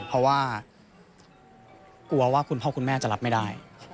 เพราะว่ากลัวว่าคุณพ่อคุณแม่จะรับไม่ได้